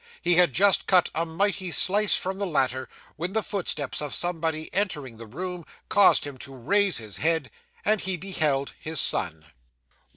He had just cut a mighty slice from the latter, when the footsteps of somebody entering the room, caused him to raise his head; and he beheld his son.